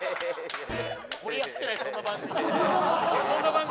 俺やってないそんな番組。